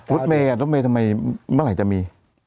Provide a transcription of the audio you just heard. ลูกเมย์ทำไมเมื่อไหร่จะมี